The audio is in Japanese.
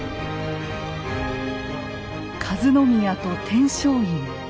和宮と天璋院。